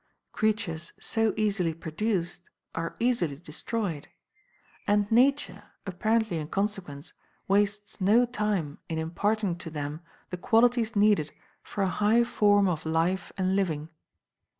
Creatures so easily produced are easily destroyed; and Nature, apparently in consequence, wastes no time in imparting to them the qualities needed for a high form of life and living.